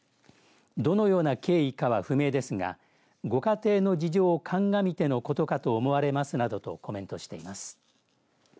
どのような経緯かは不明ですがご家庭の事情を鑑みてのことかと思われますなどとコメントしています。